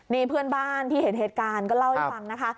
นี่เพื่อนบ้านที่เห็นเหตุการณ์ก็เล่าให้ฟังนะคะ